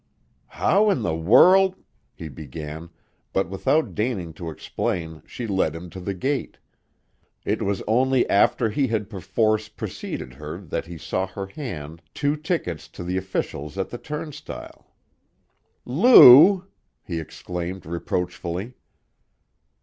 "How in the world " he began, but without deigning to explain she led him to the gate. It was only after he had perforce preceded her that he saw her hand two tickets to the officials at the turnstile. "Lou!" he exclaimed reproachfully.